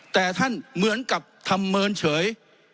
แต่ท่านเหมือนกับทำเมินเฉย